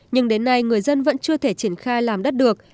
nhưng đến nay người dân vẫn chưa thể triển khai làm đất được